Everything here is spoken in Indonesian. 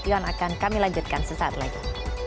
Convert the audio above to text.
ion akan kami lanjutkan sesaat lagi